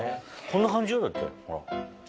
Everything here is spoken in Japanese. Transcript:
こんな感じよだってほら。